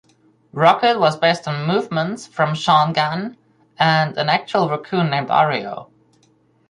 Rocket was based on movements from Sean Gunn and an actual raccoon named Oreo.